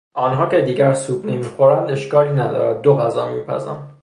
آنها که دیگر سوپ نمیخورند اشکالی ندارد دو غذا میپزم